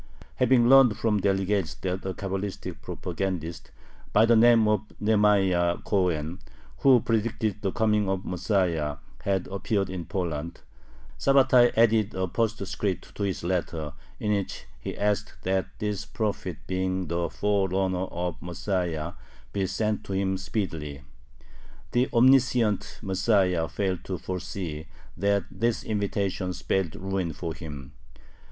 Having learned from the delegates that a Cabalistic propagandist, by the name of Nehemiah Cohen, who predicted the coming of the Messiah, had appeared in Poland, Sabbatai added a postscript to his letter in which he asked that this "prophet," being the forerunner of the Messiah, be sent to him speedily. The omniscient Messiah failed to foresee that this invitation spelled ruin for him.